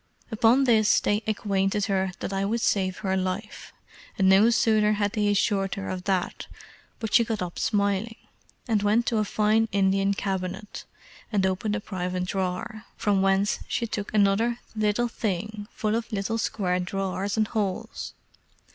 Upon this they acquainted her that I would save her life; and no sooner had they assured her of that but she got up smiling, and went to a fine Indian cabinet, and opened a private drawer, from whence she took another little thing full of little square drawers and holes.